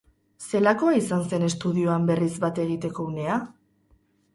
Zelakoa izan zen estudioan berriz bat egiteko unea?